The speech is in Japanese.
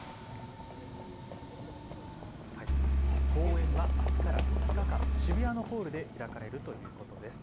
公演はあすから２日間、渋谷のホールで開かれるということです。